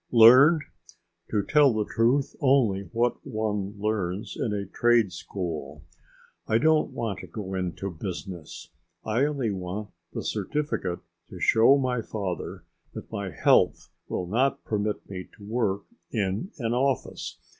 "Learned? To tell the truth, only what one learns in a trade school. I don't want to go into business. I only want the certificate to show my father that my health will not permit me to work in an office.